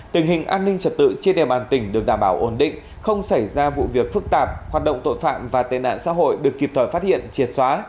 tình hình an ninh trật tự trên địa bàn tỉnh được đảm bảo ổn định không xảy ra vụ việc phức tạp hoạt động tội phạm và tên nạn xã hội được kịp thời phát hiện triệt xóa